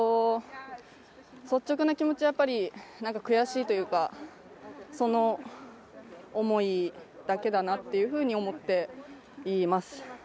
率直な気持ちはやっぱり悔しいというか、その思いだけだなっていうふうに思っています。